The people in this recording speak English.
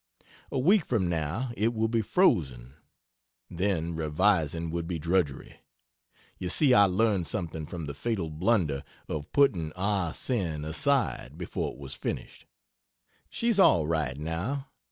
A week from now it will be frozen then revising would be drudgery. (You see I learned something from the fatal blunder of putting "Ah Sin" aside before it was finished.) She's all right, now.